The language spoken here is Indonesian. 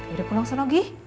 udah pulang senogih